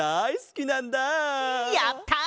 やった！